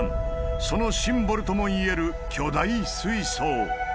そのシンボルともいえる巨大水槽。